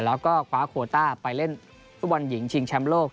แล้วก็คว้าโคต้าไปเล่นฟุตบอลหญิงชิงแชมป์โลก